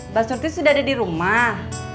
mbak sunti sudah ada di rumah